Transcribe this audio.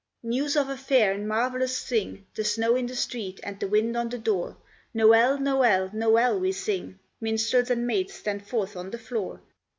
News of a fair and marvellous thing, The snow in the street, and the wind on the door, Nowell, Nowell, Nowell, we sing. Minstrels and maids, stand forth on the floor.